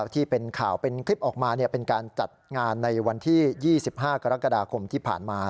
ที่เป็นข่าวเป็นคลิปออกมาเป็นการจัดงานในวันที่๒๕กรกฎาคมที่ผ่านมา